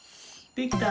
できた！